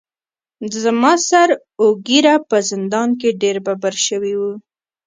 زما سر اوږېره په زندان کې ډیر ببر شوي وو.